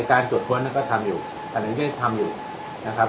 ไอ้การตรวจค้นนั่นก็ทำอยู่การนี้ก็ทำอยู่นะครับ